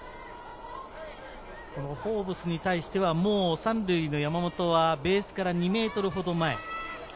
フォーブスに対しては、もう３塁の山本はベースから２ｍほど前。